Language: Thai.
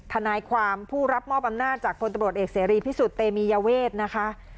ทนายความผู้รับมอบอำนาจจากพลตำรวจเอกเสรีพิสุทธิเตมียเวทนะคะ